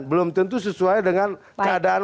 belum tentu sesuai dengan keadaan